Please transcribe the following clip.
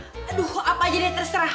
aduh apa aja deh terserah